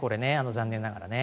残念ながら。